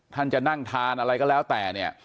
ท่านจะนั่งทานอะไรก็แล้วแต่เนี่ย